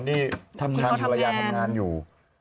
ที่ภรรยาทำงานอยู่